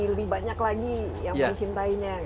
lebih banyak lagi yang mencintainya